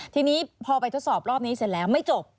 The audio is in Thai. ทีนี้พอไปทดสอบรอบนี้เสร็จแล้วไม่จบ